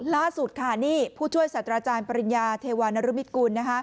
ล่าสุดค่ะนี่ผู้ช่วยสัตว์อาจารย์ปริญญาเทวานรุมิตกุล